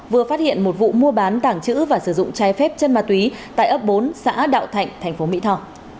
vừa phát hiện một vụ mua bán tảng trữ và sử dụng trái phép chân ma túy tại ấp bốn xã đạo thạnh thành phố mỹ thò